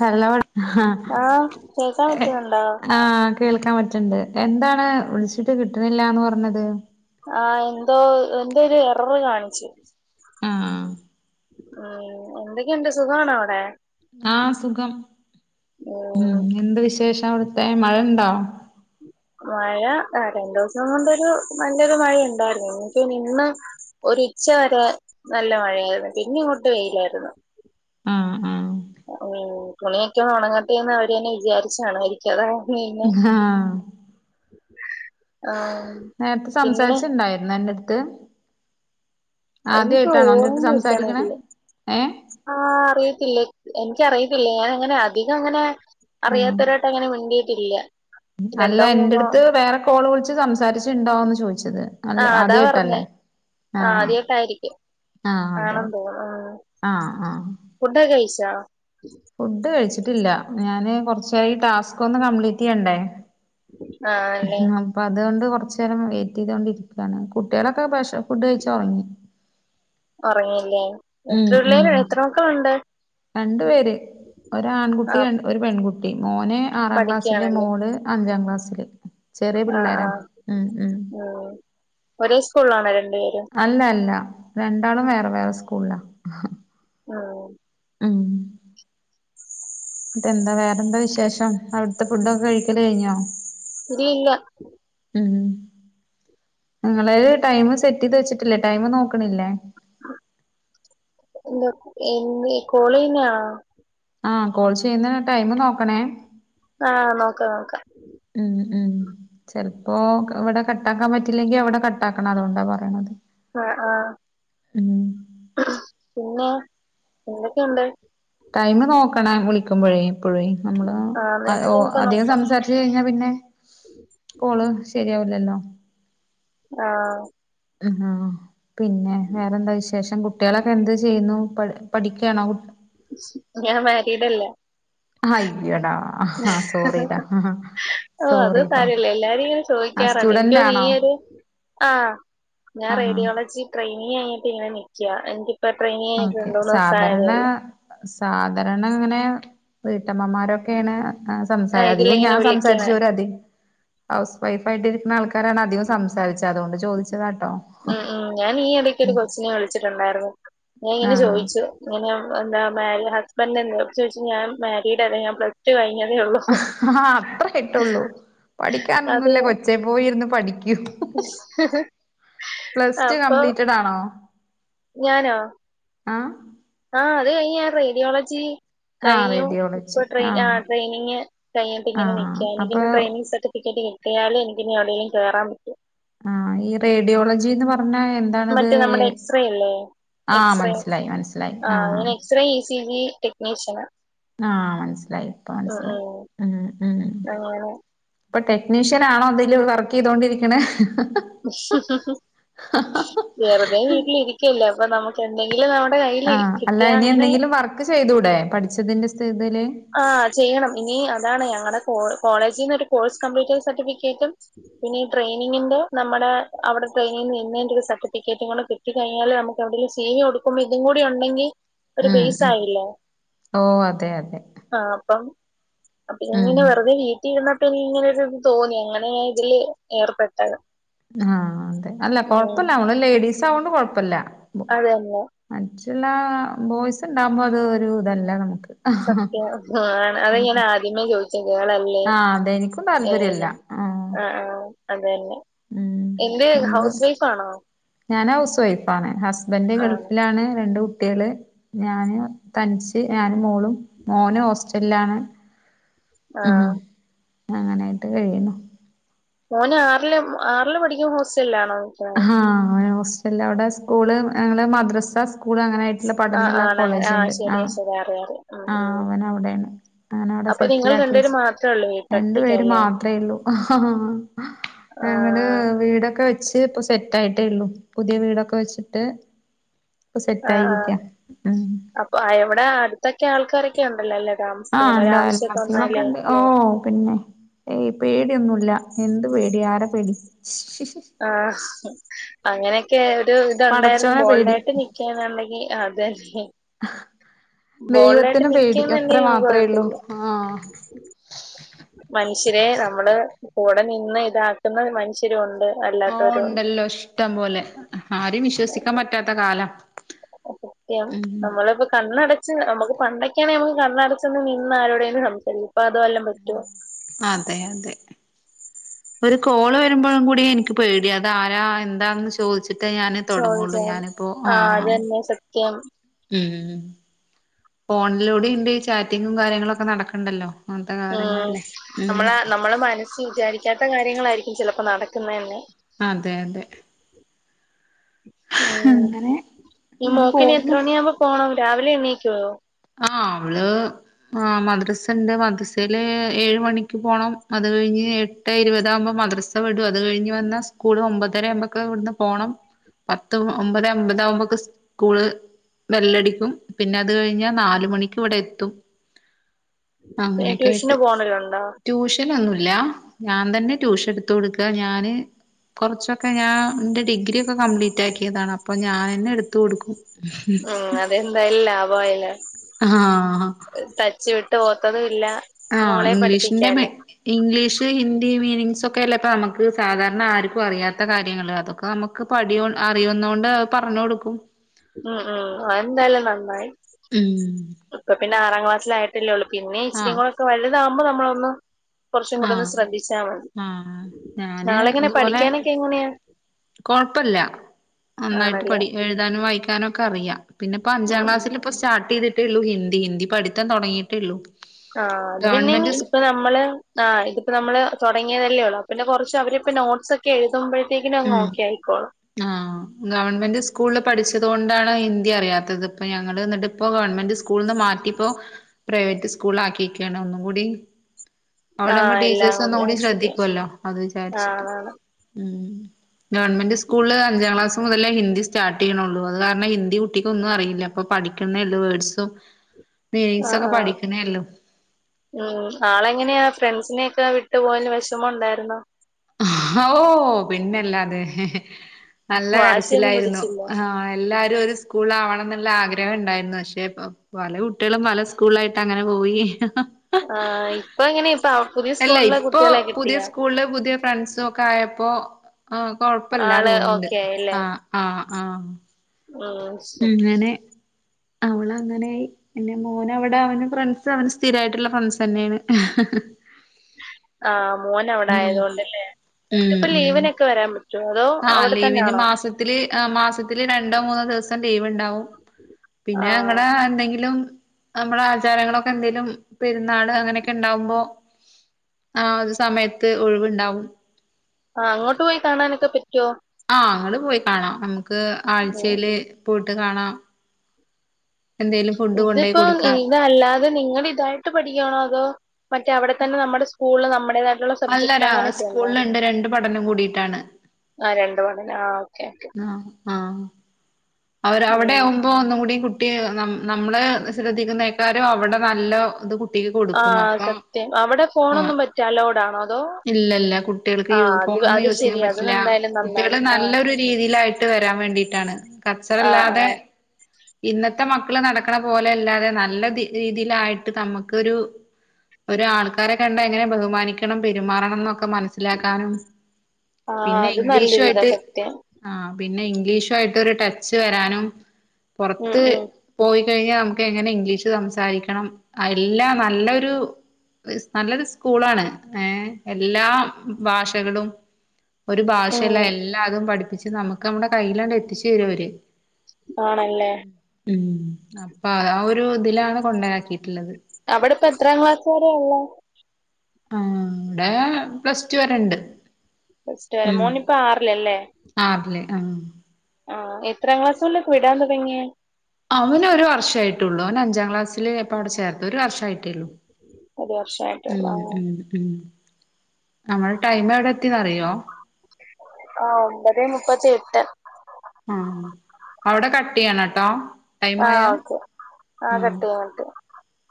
Hello ആഹ് ആഹ് കേക്കാൻ ഏ പറ്റുന്നുണ്ടോ ആഹ്. കേൾക്കാൻ പറ്റ്ണ്ട് എന്താണ് വിളിച്ചിട്ട് കിട്ട്ണില്ലാന്ന് പറഞ്ഞത്. ആഹ് എന്തോ എന്തോരു എററ് കാണിച്ച് ആഹ് ഉം എന്തൊക്കെയുണ്ട് സുഖാണോ അവിടെ? ആഹ് സുഖം ഉം എന്ത് വിശേഷം അവിട്ത്തെ മഴ ഉണ്ടോ? മഴ ആ രണ്ടുസം കൊണ്ടൊരു നല്ലൊരു മഴയുണ്ടായിരുന്നു. ഇനിപ്പ ഇന്ന് ഒരുച്ച വരെ നല്ല മഴയായിരുന്നു പിന്നെ ഇങ്ങോട്ട് വെയിലായിരുന്നു. ആഹ് ആഹ് ഉം തുണിയൊക്കെ ഒണങ്ങട്ടെന്ന് അവര ന്നെ വിചാരിച്ചാണു വാരി എൻതരാമീന് ആഹ് നേരത്തെ പിന്നെ സംസാരിച്ച്ണ്ടായിരുന്നോ എൻ്റട്ത്ത്? അത് ഇൻക്ക് ഓർമ്മ എന്റെടുത്ത് സംസാരിക്കണേ ഇരിക്കിട്ടണില്ല. ഏഹ് ആഹ് അറിയത്തില്ലേ എനിക്കറിയത്തില്ല ഞാനങ്ങനെ അധികം അങ്ങനെ ആഹ് അറിയാത്തൊരട്ട് അങ്ങനെ മിണ്ടിയിട്ടില്ലം അല്ല എന്റെട്ത്ത് വേറെ കോള് വിളിച്ച് സംസാരിച്ച് ണ്ടോന്ന് ചോയ്ച്ചത് അല്ല ആദ്യയ്ട്ടല്ലേ.. ആഹ് ആദ്യയ്ട്ടായിരിക്കും ആഹ് അതെ ആണെന്ന് അതെ തോന്ന ഉം.. ആഹ് ആഹ് ഫുഡ്ക്കെ കഴിച്ചോ ഫുഡ് കഴിച്ചിട്ടില്ല ഞാന് കൊർച്ചായി ടാസ്ക് ഒന്ന് കംപ്ളീറ്റെയ്യണ്ടേ ആ അല്ലേ പ്പൊ അതുകൊണ്ട് കൊർച്ചേരം വെയി റ്റെയ്തുകൊണ്ടിരിക്കാണ്. കുട്ടികാളൊക്കെ പക്ഷ ഫുഡ് കഴിച്ച് ഒറങ്ങി ഒറങ്ങിയില്ലേ ഉം ഉം രണ്ടു പേര് ആ ഒരാൺകുട്ടി ഒരു പെൺകുട്ടി മോന് ആറാം ക്ലാസ്സില് പഠിക്കയാണല്ലേ മോള് അഞ്ചാം ക്ലാസ്സില് ചെറിയ ആ ആ പിള്ളേരാ ഉം ഉം ഒരേ സ്കൂൾല് ആണോ രണ്ടു പേരും അല്ല അല്ല രണ്ടാളും വേറെ വേറെ സ്കൂൾലാ ആഹ് ഉം തെന്താ വേറെന്താ വിശേഷം അവിട്ത്തെ ഫുഡൊക്കെ കഴിക്കല് കഴിഞ്ഞോ [unintelligible] ല്ല ഉം ങ്ങളെല് ടൈം സെറ്റ് ചെയ്ത് വെച്ചിട്ടില്ലേ ടൈമ് നോക്ക്‌ണില്ലേ എന്താ ഇഞ്ഞി കോള് കഴിഞാ ആ കോൾ ചെയ്യുന്ന ടൈമ് നോക്കണേ ആ നോക്കാം നോക്കാം ഉം ഉം ചെൽപ്പോ ഇവടെ കട്ടാക്കാൻ പറ്റില്ലെങ്കി അവടെ കട്ടാക്കണം അതുകൊണ്ടാ പറയണത് ആ ആ ഉം പിന്നെ എന്തൊക്കെയുണ്ട് ടൈമ് നോക്കണെ വിളിക്കുമ്പോഴേ എപ്പയെ നമ്മള് ആ ഹലോ നെറ്റിലൊക്കെ അധികം നോക്കാം നോക്കാം. സംസാരിച് കഴിഞ്ഞാ പിന്നെ കോള് ശരിയാവൂലല്ലോ ആഹ് ആഹ് പിന്നെ വേറെന്താ വിശേഷം കു കുട്ടിയളൊക്കെ എന്ത് ചെയ്യുന്നു പഠി പഠിക്കയാണോ ഞാൻ മാരീടല്ല അയ്യെടാ ഹാ സോറിടാ ഓ അത് സോറിട്ടോ സാരല്ല എല്ലാരും ഇങ്ങനെ ആഹ് ചോഴിക്കാറ്ണ്ട് എൻക്ക് സ്റ്റുഡന്റ് തോന്ന ആണോ ഈ ഒരു ആഹ് ഞാൻ ആഹ് റേഡിയോളജി ട്രെയിനിങ് കഴിഞ്ട്ട് ഇങ്ങനെ നിക്ക്യ എനിക്ക് ഇപ്പ ട്രെയിങ് കഴിഞ്ഞിട്ട് രണ്ട് മൂന്ന് ദിവസം ആയതേള്ളു സാധരണ അങ്ങനെ വീട്ടമ്മമാരൊക്കെണ് ആ സംസാര ആഹ് അതികും ഇതിലിങ്ങനെ ഞാൻ വിളിക്ക്ണേ. സംസാര്ച്ചോരതി ഹൗസ് വൈഫ് ആയിട്ടിരിക്ക്‌ണ ആൾക്കാരാണ് അധികം സംസാരിച്ച അതുകൊണ്ട് ചോദിച്ചതാട്ടോ ഉം ഉം ഞാൻ ഈ ഇടക്കൊരു കൊച്ചിനെ വിളിച്ചിട്ടുണ്ടായിരുന്നു ഞാൻ ഇങ്ങനെ ആഹ് ചോയിച്ചു ഇങ്ങനെ എന്താ മാരീ ഹസ്ബൻഡ് എന്തേ ചോഴിച്ചു ഞാൻ മാരീഡ് അല്ലാ ഞാൻ പ്ലസ് ടു കഴിഞ്ഞതേള്ളു അത്ര അയ്‌ട്ടുള്ളൂ അത് പഠിക്കാനൊന്നുല്ലേ കൊച്ചേ പോയിര്ന്ന് പഠിക്കൂ പ്ലസ് ടു അപ്പൊ കംപ്ലീറ്റഡ് ആണോ ആഹ് ആ അത് കഴിഞ്ഞ് ഞാൻ റേഡിയോളജി ആഹ് കഴിഞ്ഞു റേഡിയോളജി ഇപ്പൊ ട്രെ ആ ആഹ് ട്രെയിനിങ്‌ കഴിഞ്ഞോണ്ടിങ്ങനെ ആഹ് നിക്ക്യാണ് അപ്പൊ പിന്നെ ട്രെയിനിങ്സ ടിക്കറ്റ് കിട്ടിയാലേ എനിക്കിനി എവിടെലും കേറാൻ പറ്റു ആഹ് ഈ റേഡിയോളജിന്ന് പർഞ്ഞ എ ന്താണത് മറ്റേ എ നമ്മുടെ എക്സ്റേ അല്ലേ ആ മൻസ്സിലായി മൻസ്സിലായി ആഹ് ത്ര ഈസി ഇനി ടെക്നീഷ്യനാ ആഹ് മൻസ്സിലായി ഇപ്പ മൻസ്സിലായി ഉം ഉം അങ്ങനെ ഇപ്പൊ ടെക്നീഷ്യന് ആണോ ഇതില് വർക്കയ്തോണ്ടിരിക്ക്‌ണ വെറുതെ വീട്ടിലിരിക്കല്ലേ അപ്പൊ നമ എന്തെങ്കിലും നമ്മുടെ കയ്യില് കിട്ടിയ അങ്ങനെ ക്ക്‌ ചെയ്തൂടെ പഠിച്ചതിന്റെ സ്ത് ത് ല് ആ ചെയ്യണം ഇനി അതാണ് ഞങ്ങളെ കോ കോളേജിന്ന് ഒരു കോഴ്സ് കംപ്ലീറ്റഡ് സർട്ടിഫിക്കറ്റും പിന്നെ ഈ ട്രെയിനിങ്ങിന്റെ നമ്മടെ അവ്ടെ ട്രെനിങ് നിന്നെന്റെ ഒരു സർട്ടിഫിക്കറ്റും കൂടെ കി ട്ടി കിഴിഞ്ഞാല് നമുക്ക് എവിടെലും സി വി കൊടുക്കുമ്പോ ഇത് കൂടി ഉണ്ടെങ്കി ഒരു ഉം ബേസ് ഉം ആയില്ലേ ഓ അതെ അതെ ആഹ് അപ്പം അപ്പ ഉം [unintelligible] അപ്പൊ വീട്ടി ഇരുന്നപ്പ ഇനി ഇങ്ങനെ തോന്നി അങ്ങനെ ഇതില് ഏർപ്പെട്ടത് ആഹ് അതെ അല്ല ഉം കൊഴപ്പല്ല നമ്മള് ലേഡീസ് ആവോണ്ട് കൊഴപ്പല്ല അതെല്ലെ മറ്റുള്ള ബോയ്സ് ഉണ്ടാകുമ്പോ അത് ഒരു ഇതല്ല നമുക്ക് സത്യം അത് ഞാൻ ഉം ആദ്യമേ ചോദിച്ച ഗേൾളല്ലേ ആഹ് അതെ എനിക്കും താല്പര്യല്ല ആഹ് ആഹ് ആഹ് അതന്നെ ഉം എന്ത് നമ്മള് ഹൌസ് വൈഫ് ആണോ? ഞാൻ ഹൗസ് വൈഫ് ആണ് ഹസ്ബൻൻ്റ് ആഹ് ഗൾഫിലാണ് രണ്ട് കുട്ട്യാള് ഞാന് തനിച്ച് ഞാന് മോളും മോന് ഹോസ്റ്റലിലാണ് ആഹ് ഉം അങ്ങനൊയിട്ട് കഴിയുന്നു മോന് ആറില് ആറില് പഠിക്കുമ്പൊ ഹോസ്റ്റലിലാണോ നിക്കുന്നത് ആഹ് ഹോസ്റ്റലവിടെ സ്കൂള് മദ്രസ സ്കൂള് അങ്ങനെയാ നല്ല ആ പഠനള്ള ആണ് ആ കോളേജ്ണ്ട് ശരിയാ ആഹ് ശരിയാ അറിയാം അറിയാം ഉം ആഹ് ഉം അവന അവിടെണ് അങ്ങന അവിടെ അപ്പൊ നിങ്ങൾ സെറ്റിലാക്കി രണ്ടുപേരും വെച്ച് മാത്രേ ഉള്ളൂ വീട്ടിൽ രണ്ടു പേര് ഒറ്റയ്ക്കല്ലേ മാത്ര ഉള്ളൂ ആ ഞങ്ങള് വീടൊക്കെ വെ ഇപ്പ സെറ്റ് ആയിട്ടേള്ളു പുതിയ വീടൊക്കെ വെച്ചിട്ട് ഇപ്പൊ സെറ്റ് ആഹ് ആഹ് ആയിരിക്കാ ഉം അപ്പൊ എവിടെ അടുത്തൊക്കെ ആൾക്കാരൊക്കെ ഉണ്ടല്ലോ താമസത്തിന് ഒരു ആവശ്യക്കെ വന്നാലേ ഓഹ് പിന്നെ ഏയ് പേടിയൊന്നുല്ല എന്ത് പേടി ആരെ പേടി? ആഹ് അങ്ങനെയൊക്കെ ഒരു ഇത്ണ്ടായിരുന്നു പടച്ചോനെ പേടി ബോൾഡായിട്ട് നിക്കന്നുണ്ടെങ്കിൽ അതന്നെ ബോൾഡായിട്ട് ദൈവത്തിനെ പേടി അത്ര നിക്കാന്നുണ്ടെങ്കി നമുക്ക് മാത്രള്ളൂ കുഴപ്പമില്ല ആഹ് മനുഷ്യരെ നമ്മള് കൂടെ നിന്ന് ഇതാക്കുന്ന മനു മനുശ്യരുണ്ട് അൽ ഓഹ് ഉണ്ടല്ലോ ഇഷ്ടം പോലെ ആരും ഉണ്ട് വിശ്വസിക്കാൻ പറ്റാത്ത കാലാ സത്യം ഉം നമ്മളിപ്പോ കണ്ണട നമുക്ക് പണ്ടൊക്കെയണെങ്കിൽ നമ്മക്ക് കണ്ണടച്ചിന്ന് നിന്ന് ആരോടെന്ന് സംസാരിക്കും ഇപ്പൊ അതെല്ലാം പറ്റുവോ? അതെ അതെ ഒരു കോള് വരുമ്പോഴും കൂടി എനിക്ക് പേടിയാ ആരാ എന്താന്ന് ചോദിച്ചിട്ടേ ഞാന് തുടങ്ങുള്ളൂ ഞാനിപ്പോ ആഹ് അത് സത്യം ഉം ഫോണിലൂടെണ്ട് ചാറ്റിങ്ങും കാര്യങ്ങളും ക്കെ നടക്ക്ണ്ടല്ലോ ഉം നമ്മള നമ്മുടെ മനസ്സ് വിചാരിക്കാത്ത കാര്യങ്ങളായിരിക്കും ചിലപ്പോ നടക്കുന്നതന്നെ അതെ അതെ ഉം അങ്ങനെ ഈ അങ്ങനെ മോക്കിനി പോകുന്നു എത്ര മണിയാവുമ്പോ പോണം രാവിലെ എണീക്കോ? ആഹ് അവള് ആഹ് മദ്രസ ഉണ്ട് മദ്രസയില് ഏഴ് മണിക്ക് പോണം അത് കഴിഞ്ഞ് എ ട്ടെ ഇരുപതകുമ്പോ മദ്‌റസ വിടും അത് കഴിഞ് വന്നാ സ്കൂൾ ഒമ്പതര ആമ്പോക്ക് ഇവിട്ന്ന് പോണം പത്ത് ഒമ്പത അമ്പതാകുമ്പക്കെ സ്കൂള് വെല്ലടിക്കും പിന്നെ അത് കഴിഞ്ഞാ നാലുമണിക്കിവടെത്തും പിന്നെ ട്യൂഷന് അങ്ങനെക്കായിട്ട് പോണലുണ്ടോ? ട്യൂഷ ഷനൊന്നുല്ല ഞാൻ തന്നെ ട്യൂഷൻ എടുത്ത് കൊടുക്കാ ഞാന് കുറച്ചൊക്കെ ഞാൻ എന്റെ ഡിഗ്രി ഒക്കെ കംപ്ലീറ്റ് ആക്കിയതാണ് അപ്പൊ ഞാനെന്നെ എടുത്ത് കൊടുക്കും ഉം അതെന്തായാലും ലാഭായല്ലോ ആഹ് ടെച് വിട്ട് പോത്തതും ഇല്ല ആഹ് മോളെ ഇംഗ്ലീഷിന്റെ മെ പഠിപ്പിക്കാലോ. ഇംഗ്ലീഷ്, ഹിന്ദി മീനിങ്സൊക്കെ അല്ലെ ഇപ്പ നമുക്ക് സാധാരണ ആർക്കും അറിയാത്ത കാര്യങ്ങള് അതൊക്കെ നമുക്ക് അറിയന്നൊണ്ട് അത് പറഞ്ഞു കൊടുക്കും ഉം ഉം അതെന്തായാലും നന്നായി ഉം ഇപ്പ പിന്നെ ആറാം ക്ലാസ്സിലായി ട്ടല്ലേള്ളൂ പിന്നെ ആഹ് ഇച്ചരികൂടിയോക്കെ വലുതാകുമ്പോ നമ്മളൊന്ന് കുറച്ചും കൂടെ ഒന്ന് ആഹ് ശ്രദ്ധിച്ചാൽ മതി ആഹ് ഞാന് ആളെങ്ങനെ പഠിക്കാനൊക്കെ എങ്ങനെയാ? കുഴപ്പല്ല നന്നായിട്ട് ആണല്ലേ പഠി എഴുതാനും വായിക്കാനും ഒക്കെ അറിയാം പിന്നെ ഇപ്പ ഉം അഞ്ചാം ഉം ക്ലാസ്സിൽ ഇപ്പ സ്റ്റാർട്ട് ചെയ്തിട്ടേുള്ളു ഹിന്ദി ഹിന്ദി പഠുത്തം തുടങ്ങയിട്ടേള്ളു. ആഹ അത് പിന്നെ ഇനി ഇപ്പൊ ന മ്മള് ആ് ഇതിപ്പോ നമ്മള് തുടങ്ങിയതല്ലേ ഉള്ളൂ അ പിന്നെ കുറച്ച് അവരിപ്പ നോട്ട്സ് ഒക്കെ എഴുതുമ്പോഴ അപ്പോത്തിന് ഓക്കേ ആയിക്കോളും ആ ഗവൺമെന്റ് സ്കൂളിൽ പഠിച്ചത് കൊണ്ടാണ് ഹിന്ദി അറിയാത്തത് പ്പ ഞങ്ങള്ൾ എന്നിട്ടിപ്പോ ഗവൺമെന്റ് സ് സ്കൂൾന്ന് മാറ്റിപ്പോ പ്രൈവറ്റ് സ്കൂൾ ആക്കിയിക്കയാണ് ഒന്നും കൂടി ആ അവിടെമ്മ എല്ലാം ടീച്ചേഴസ് ഒന്നും ആ കൂടി ശരിയാ ശ്രദ്ധിക്കുവല്ലോ അത് ആ വിചാരിച്ചിട്ട്. അതാണ് ഗവൺമെന്റ് സ്കൂളിൽ അഞ്ചം ക്ലാസ് മുതലൊ ഹിന്ദി സ്റ്റാർട്ട് ചെയ്യണള്ളൂ അത് കാരണം ഹിന്ദി കുട്ടിക്ക് ഒന്നും അറിയില്ല പ്പൊ പഠിക്കുന്ന ഒള്ളു വേർഡ്സും. ആ സൊക്കെ ആ പഠിക്കണൊള്ളൂ ഉം ആളെങ്ങനെയാ ഫ്രണ്ട്സിനെ ക്കെ വിട്ട് പോവാൻ വിഷമം ണ്ടായിരുന്നോ? ഓ പിന്നല്ലാതെഹേ നല്ല വാശിയൊന്നും കരച്ചിലായിരുന്നു പിടിച്ചില്ലേ ആഹ് എല്ലാരും ഒരു സ്കൂളിലവണം ന്നുള്ള ആഗ്രഹം ഉണ്ടായിരുന്നു പക്ഷേ ഇപ്പൊ പല കുട്ടികളും പല സ്കൂളിലായിട്ട് അങ്ങനെ പോയി ആ ഇപ്പ ങ്ങനെ ഇപ്പ അല്ല ഇപ്പോ പുതിയ സ്കൂളില് പുതിയ ഫ്രൻസ് ഒക്കെ ആയപ്പോ ആഹ് കൊഴപ്പല്ല ആള് തോന്നുന്നുണ്ട് ഓക്കെ ആയില്ലേ ആഹ് ആഹ് ആ ഉം ഉ ശ- അങ്ങനെ അവളങ്ങനൊയി പിന്നെ മോന വിടെ അവന് ഫ്രണ്ട്സ് അവന് സ്ഥിരായിട്ടുള്ള ഫ്രണ്ട്സ് തന്നെയാണ് ആഹ് മോന് അവിടെ ഉം ആയതൊണ്ട് ഉം ല്ലേപ്പം ഉം ലീവിനൊക്കെ വരാൻ പറ്റോ അതോ അവിടെത്തന്നൊണോ? തില് മാസ ൽ രണ്ടോ മൂന്നോ ദിവസം ലീവ് ണ്ടാവും ആ പിന്നെ അങ്ങടെ എന്തെങ്കിലും നമ്മുടെ ആചാരങ്ങളൊക്കെ ന്തെങ്കലും പെരുന്നാൾ അങ്ങനെയൊക്കെ ണ്ടാവുമ്പോ ആ ഒരു സമയത്ത് ഒഴിവുണ്ടാവും ആ അങ്ങോട്ട് പോയി കാണാനൊക്കെ പറ്റോ ആഹ് അങ്ങട് പോയി കാണാം നമുക്ക് ആഴ്ചൽ ഉം പോയിട്ട് കാണാം. എന്തേലും ഫുഡ് കൊണ്ടോയി ഇതിപ്പ കൊടുക്കാം ഇതാ - അല്ലാതെ നിങ്ങള് ഇതായിട്ട് പഠിക്കണോ അതോ മറ്റേ അവിടെ തന്നെ നമ്മുടെ സ്കൂള് നമ്മുടെത അല്ലടാ സ്കൂളിൽണ്ട് രണ്ട് പഠനം കൂടിയിട്ടാണ്. ആ രണ്ട് ഉണ്ട് ആ ഓക്കെ ഓക്കെ ആ ആഹ് അവരവിടെ ഉം ആവും പ്പോ ഒന്നും കൂടി കുട്ടി നമ്മള് ശ്രദ്ധിക്കുന്നേക്കാരും അവിടെ നല്ല ഇത് കുട്ടിക്ക് ആ കൊടുക്കും അപ്പ സത്യം അവിടെ ആ ഫോണൊന്നും പറ്റ അലൗഡാണോ അതോ ഇല്ലല്ല കു കുട്ടികൾക്ക് ആ യൂ അത് ഫോണൊന്നും അത് യൂസ് ശരി ചെയ്യാൻ അത് പറ്റില്ല എന്തായാലും കുട്ടികൾ നന്നായി ആ നല്ല രു രീതിയിലായിട്ട് വരാൻ വേണ്ടിട്ടാണ് ആ ആ കച്ചറല്ലാതെ ഇന്നത്തെ മക്കള് നടക്കണ പോലെ അല്ലാതെ നല്ല രീതിയിലായിട്ട് നമക്കൊരു ഒരാൾക്കാരെ കണ്ട എങ്ങനെ ബഹുമാനിക്കണം പെരുമാറണം ന്നൊക്കെ ക്കെ മനസ്സിലാക്കാനും ആ പിന്നെ അത് ഇംഗ്ലീഷു നല്ലൊരിതാ ആയിട്ട് സത്യം ആഹ് പിന്നെ ഇംഗ്ലീഷു ആയിട്ട് രു ടച്ച് വരാനും ഉം പുറത്ത് ഉം പോയി കഴിഞ്ഞാ നമുക്ക് എങ്ങനെ ഇംഗ്ലീഷ് സംസാരിക്കണം എല്ലാം നല്ലൊരു ല്ലൊരു സ്കൂളാണ് ഏ എല്ലാം ഭാഷകളും ഒരു ഭാഷല്ല ഉം എല്ലാ എല്ലാതും പഠിപ്പിച്ച് നമുക്ക് നമ്മുടെ കയ്യിലാണ്ട് എത്തിച്ചു തരും അവര് ആണല്ലേ ഉം അപ്പ ആ ഒരു ഇതിലാണ് കൊണ്ടരാക്കിയിട്ടുള്ളത് അവിടെ ഇപ്പ എത്രാം ക്ലാസ് വരെയ ഉള്ളേ? ആ വിടെ പ്ലസ് ടു വരെണ്ട് സ്റ്റ് മോൻ ഇപ്പ ആറിലല്ലേ? ആപ്പ്ന് ആഹ് ആഹ് എത്രാം ക്ലാസ്സോതലാ വിടാൻ തൊടങ്ങിയേ അവന് ഒരു വർഷായിട്ടോള്ളൂ അവന് അഞ്ചാം ക്ലാസ്സില് ഇപ്പ അവടെ ചേർത്ത് ഒരു വർഷായിട്ടേള്ളൂ ഒരു വർഷായിട്ടുള്ളൂ ഉം ആഹ് ഉം ഉ നമ്മളെ ടൈം എവടെ എത്തിന്ന് അറിയോ? ആ ഒമ്പത് മുപ്പത്തി എട്ട് ആഹ് അവടെ കട്ട് ചെയ്യണംട്ടോ. ടൈം ആഹ് ആയാ ഓക്കെ ആ ആഹ് കട്ട് ചെയ്യാം കട്ട്.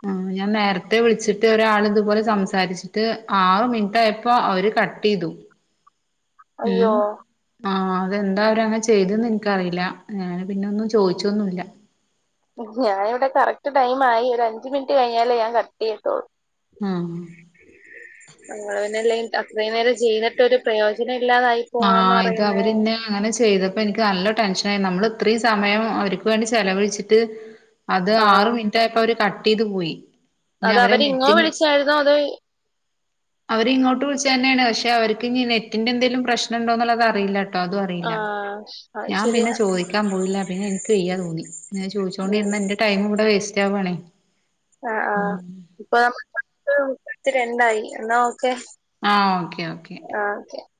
ആഹ് ഞാൻ നേരത്തെ വിളിച്ചിട്ട് ഒരാള് ഇതുപോലെ സംസാരിച്ചിട്ട് ആറ് മിനിറ്റായപ്പോ അവര് കട് ട്ട്യ്തു അയ്യോ ഉം ആഹ് അതെന്താ അവരങ്ങനെ ചെയ്തേന്ന് എൻക്കറിയില്ല ഞാന് പിന്നെ ഒന്നും ചോയിച്ചൊന്നുല്ല ഞാനിവടെ കറക്റ്റ് ടൈം ആയി ഒര് അഞ്ച് മിനിറ്റ് കഴിഞ്ഞാലേ ഞാൻ കട്ട് ചെയ്യത്തൊള്ളൂ ആഹ് അല്ല അത്രയും നേരം ചെയ്തിട്ടൊരു പ്രയോജനം ഇല്ലാതായി പോവാന്ന് ആഹ് ഇത് പറയുന്നേ അവര്ന്നെ അങ്ങനെ ചെയ്തപ്പോ എനിക്ക് നല്ല ടെൻഷനായി നമ്മള് ഇത്രയും സമയം അവര്ക്ക് വേണ്ടി ചെലവഴിച്ചിട്ട് അത് ആറ് ആഹ് മിനിറ്റായപ്പോ അവര് കട്ട് ചെയ്ത് പോയി അത് അവരിങ്ങോ വിളിച്ചായിരുന്നോ അതോ ഈ അവരിങ്ങോട്ട് വിളിച്ചന്നെയാണ് പക്ഷെ അവർക്കിനി നെറ്റിന്റെ എന്തേലും പ്രശ്നം ഇണ്ടോന്നുള്ളത് അറില്ല ട്ടോ അതും അറിയില്ല ആഹ് അത് ഞാൻ ശരിയാ പിന്നെ ചോദിക്കാൻ പോയില്ല പിന്നെ എനിക്ക് വയ്യാ തോന്നി ഞാൻ ഉം ചോയിച്ചോണ്ടിരുന്ന എന്റെ ടൈം ഇവടെ വേസ്റ്റ് ആവുവാണേ ആഹ് ആഹ് ഇപ്പൊ നമ്മ പത്ത് രണ്ടായി എന്നാ ഓക്കെ. ആഹ് ഓക്കെ ഓക്കെ. ആഹ് [unintelligible]